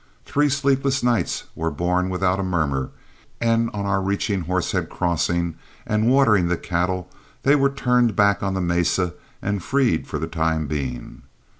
Three sleepless nights were borne without a murmur, and on our reaching Horsehead Crossing and watering the cattle they were turned back on the mesa and freed for the time being.